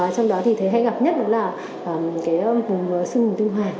trong đó hay gặp nhất là vùng xưng vùng tinh hoàng